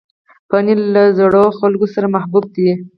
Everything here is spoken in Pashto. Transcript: پنېر له زړو خلکو سره محبوب دی.